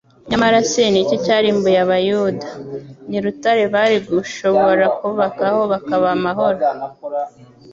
Nyamara se n'iki cyarimbuye abayuda? Ni Rutare bari gushobora kubakaho bakaba amahoro.